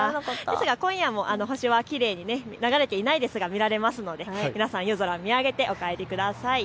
今夜も星はきれいに流れていないですが見られますので、夜空を見上げてお帰りください。